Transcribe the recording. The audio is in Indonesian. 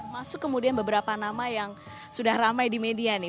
masuk kemudian beberapa nama yang sudah ramai di media nih